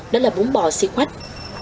đó là bún bò siết khoách